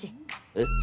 えっ？